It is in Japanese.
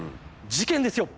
事件ですよ。